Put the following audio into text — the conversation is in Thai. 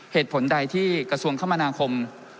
เหตุผลใดที่กระทรวงคมนาคม